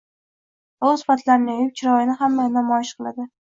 Tovus patlarini yoyib, chiroyini hammaga namoyish qiladi.